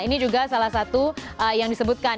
ini juga salah satu yang disebutkan